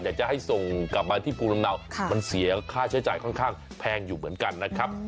อยากจะให้ส่งกลับมาที่ภูมิลำเนามันเสียค่าใช้จ่ายค่อนข้างแพงอยู่เหมือนกันนะครับ